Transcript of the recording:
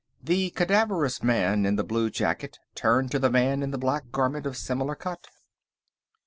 The cadaverous man in the blue jacket turned to the man in the black garment of similar cut.